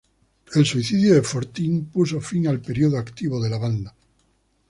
El suicidio de Fortin puso fin al periodo activo de la banda.